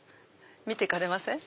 見ていかれません？